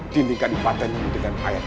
tingkat di pantai ini dengan air air